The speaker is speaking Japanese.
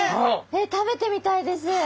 えっ食べてみたいです！